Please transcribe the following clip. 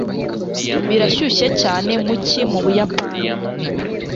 birashyushye cyane mu cyi mu buyapani